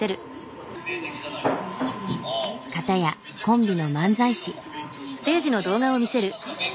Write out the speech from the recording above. かたやコンビの漫才師。